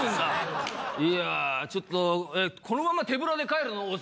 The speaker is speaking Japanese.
いやちょっとえっこのまま手ぶらで帰るの？